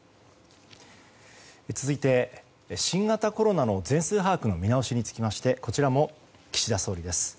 続いて、新型コロナの全数把握の見直しにつきましてこちらも岸田総理です。